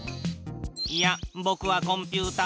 やあぼくはコンピュータ。